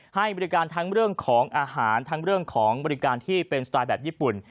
ให้บริการทั้งเรื่องของอาหารทั้งเรื่องของบริการที่เป็นสไตล์แบบญี่ปุ่น